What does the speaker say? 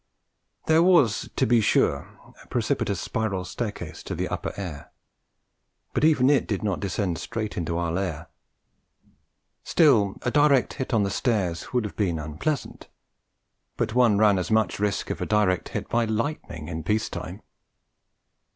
There was, to be sure, a precipitous spiral staircase to the upper air, but even it did not descend straight into our lair. Still, a direct hit on the stairs would have been unpleasant; but one ran as much risk of a direct hit by lightning in peace time.